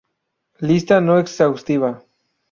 Lista no exhaustiva